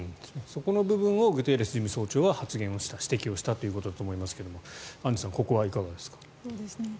この部分をグテーレス事務総長は指摘をしたということだと思いますがアンジュさんここはいかがですか？